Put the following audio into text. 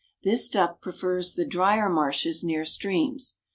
This duck prefers the dryer marshes near streams.